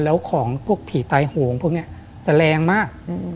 แล้วของพวกผีตายโหงพวกนี้จะแรงมาก